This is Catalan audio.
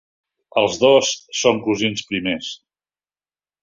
Els dos són cosins primers.